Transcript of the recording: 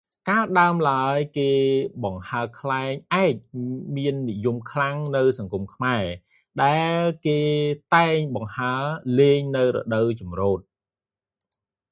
កាលដើមឡើយការបង្ហើរខ្លែងឯកមាននិយមខ្លាំងក្នុងសង្គមខ្មែរ ដែលគេតែងបង្ហើរ លេងនៅរដូវចម្រូត